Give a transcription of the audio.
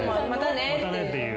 「またね」っていう。